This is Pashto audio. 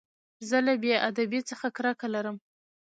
زه له بېادبۍ څخه کرکه لرم.